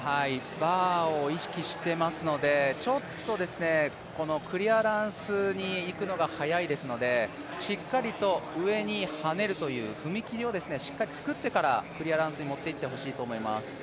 バーを意識してますのでちょっとこのクリアランスにいくのが早いですのでしっかりと、上にはねるという踏み切りをしっかり作ってからクリアランスに持っていってほしいです。